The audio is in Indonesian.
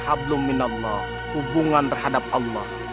hubungan terhadap allah